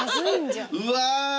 うわ。